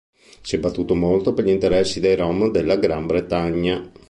Si è battuto molto per gli interessi dei Rom della Gran Bretagna.